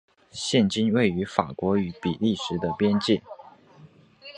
现今位于法国与比利时的边界。